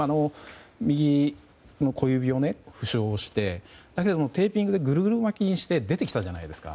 右の小指を負傷してだけれどもテーピングでぐるぐる巻きにして出てきたじゃないですか。